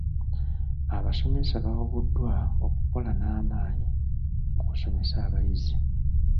Abasomesa bawabuddwa okukola n'amaanyi mu kusomesa abayizi.